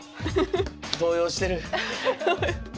動揺してる。